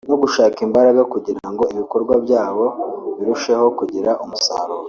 no gushaka imbaraga kugirango ibikorwa byabo birusheho kugira umusaruro